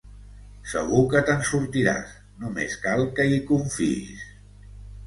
Segur que te'n sortiràs: només cal que hi confiïs.